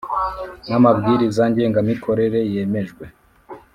n amabwiriza ngengamikorere yemejwe